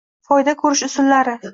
Foyda ko’rish usullari